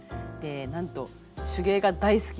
なんと手芸が大好きで。